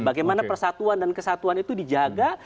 bagaimana persatuan dan kesatuan itu dijaga